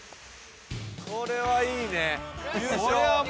これはいいね。